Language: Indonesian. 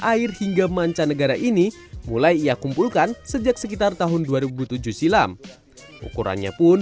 air hingga mancanegara ini mulai ia kumpulkan sejak sekitar tahun dua ribu tujuh silam ukurannya pun